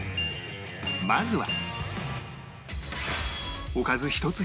まずは